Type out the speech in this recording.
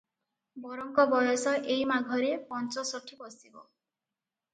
ବରଙ୍କ ବୟସ ଏହି ମାଘରେ ପଞ୍ଚଷଠି ପଶିବ ।